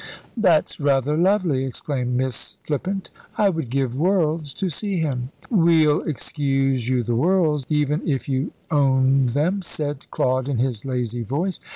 "That's rather lovely!" exclaimed Miss Flippant. "I would give worlds to see him." "We'll excuse you the worlds, even if you owned them," said Claude in his lazy voice.